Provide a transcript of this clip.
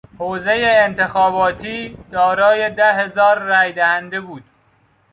حوزهی انتخاباتی دارای ده هزار رای دهنده بود.